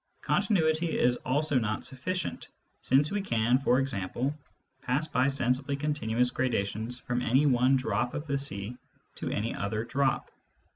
Continuity is also not sufficient, since we can, for example, pass by sensibly continuous gradations from any one drop of the sea to any other drop.